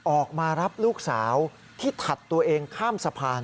ออกมารับลูกสาวที่ถัดตัวเองข้ามสะพาน